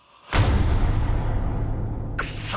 クソ！